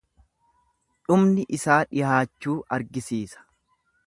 Dhumni isaa dhihaachuu argisiisa.